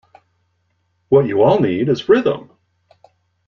What you all need is rhythm!